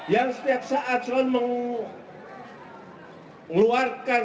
yang setiap saat selalu mengeluarkan